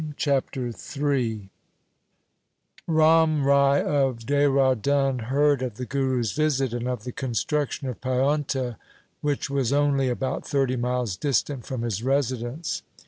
Chapter III Ram Rai of Dehra Dun heard of the Guru's visit and of the construction of Paunta which was only about thirty miles distant from his residence.